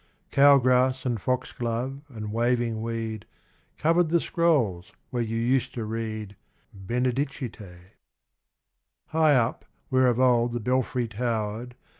Cow grass, and foxglove, and waving weed, Covered the scrolls where you used to read, Benedicite. XVIII High up where of old the belfry towered.